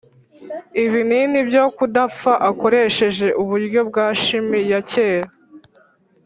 ‘ibinini byo kudapfa’ akoresheje uburyo bwa shimi ya kera.